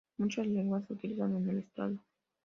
Muchas lenguas se utilizan en el Estado.